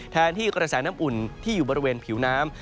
แทนที่กระแสน้ำอุ่นที่อยู่บริเวณผิวน้ำ